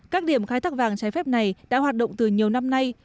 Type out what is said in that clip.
các điểm khai thác vàng trái phép này đã hoạt động từ nhiều năm nay